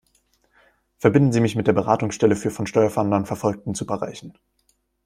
Verbinden Sie mich mit der Beratungsstelle für von Steuerfahndern verfolgten Superreichen!